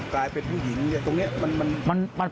กลายเป็นผู้หญิงตรงนี้